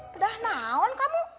pedah naon kamu